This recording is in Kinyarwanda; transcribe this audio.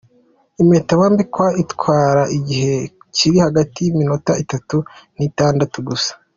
Impeta wambikwa itwara igihe kiri hagati y’iminota itatu n’itandatu gusa.